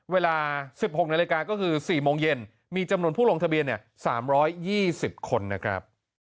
เวลา๑๖นาฬิกาก็คือ๔โมงเย็นมีจำนวนผู้ลงทะเบียน๓๒๐คนนะครับ